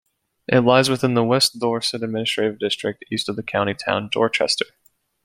It lies within the West Dorset administrative district, east of the county town Dorchester.